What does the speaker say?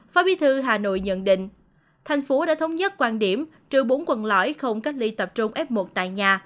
phó bí thư hà nội nhận định thành phố đã thống nhất quan điểm trừ bốn quận lõi không cách ly tập trung f một tại nhà